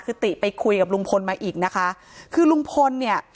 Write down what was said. คือติไปคุยกับลุงพลมาอีกนะคะคือลุงพลเนี่ย